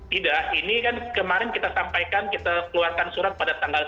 tidak ini kan kemarin kita sampaikan kita keluarkan surat pada tanggal sembilan belas